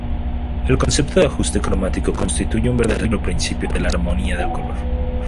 El concepto de ajuste cromático constituye un verdadero principio de la armonía del color.